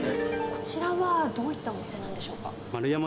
こちらはどういったお店なんでしょうか。